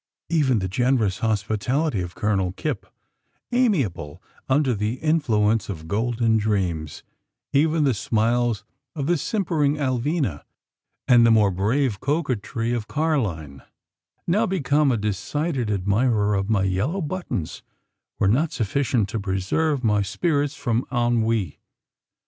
Even the generous hospitality of Colonel Kipp amiable under the influence of golden dreams even the smiles of the simpering Alvina, and the more brave coquetry of Car'line now become a decided admirer of my yellow buttons were not sufficient to preserve my spirits from ennui.